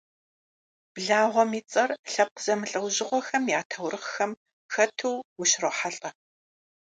Благъуэм и цӏэр лъэпкъ зэмылӏэужьыгъуэхэм я таурыхъхэм хэту ущырохьэлӏэ.